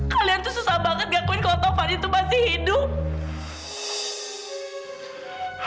kalian tuh susah banget ngakuin kalau taufan itu pasti hidup